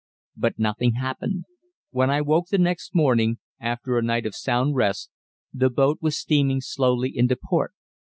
But nothing happened. When I woke next morning, after a night of sound rest, the boat was steaming slowly into port.